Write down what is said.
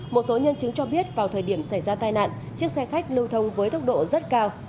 một số nhân chứng cho biết vào thời điểm xảy ra tai nạn chiếc xe khách lưu thông với tốc độ rất cao